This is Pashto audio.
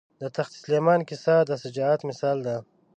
د تخت سلیمان کیسه د شجاعت مثال ده.